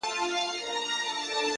o خپل د لاس څخه اشـــنــــــا،